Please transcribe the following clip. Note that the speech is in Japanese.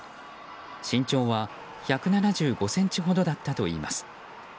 身長は１７５ｃｍほどだったといいます。